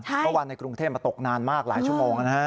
เมื่อวานในกรุงเทพมันตกนานมากหลายชั่วโมงนะฮะ